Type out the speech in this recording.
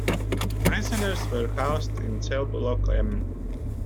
The prisoners were housed in cell block M.